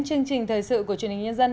chương trình thời sự của truyền hình nhân dân